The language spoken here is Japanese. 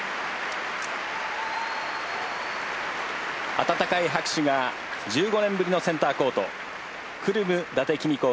温かい拍手が１５年ぶりのセンターコートクルム伊達公子を迎えました。